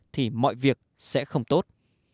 thì mọi việc sẽ không tốt